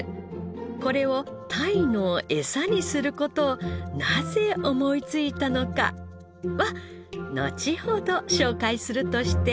これを鯛のエサにする事をなぜ思いついたのかはのちほど紹介するとして。